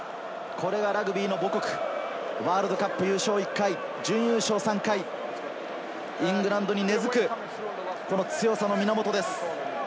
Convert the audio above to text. これがラグビーの母国、ワールドカップ優勝１回、準優勝３回、イングランドに根付く強さの源です。